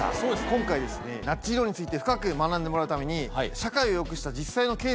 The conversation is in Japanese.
今回ですねナッジ理論について深く学んでもらうために。